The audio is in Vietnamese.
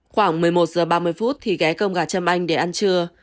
khoảng một mươi một h ba mươi thì ghé cơm gà châm anh để ăn trưa